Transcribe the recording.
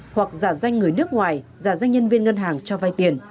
hoặc giả danh người nước ngoài giả danh nhân viên ngân hàng cho vay tiền